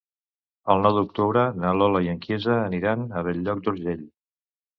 El nou d'octubre na Lola i en Quirze aniran a Bell-lloc d'Urgell.